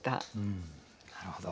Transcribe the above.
なるほど。